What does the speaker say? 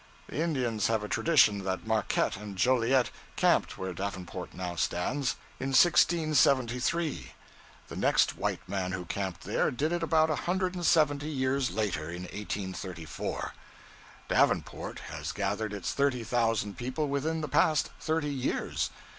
The Indians have a tradition that Marquette and Joliet camped where Davenport now stands, in 1673. The next white man who camped there, did it about a hundred and seventy years later in 1834. Davenport has gathered its thirty thousand people within the past thirty years.